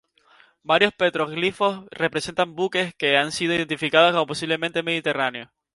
Varios petroglifos representan buques que han sido identificados como posiblemente mediterráneos.